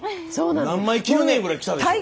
何枚着るねんいうぐらい着たでしょ。